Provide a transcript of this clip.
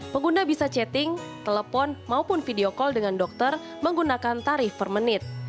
pengguna bisa chatting telepon maupun video call dengan dokter menggunakan tarif per menit